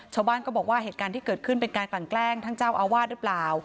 ชาวบ้านก็บอกว่าเหตุการณ์ที่เกิดขึ้นเป็นการกลั่นแกล้งทั้งเจ้าอาวาสหรือเปล่า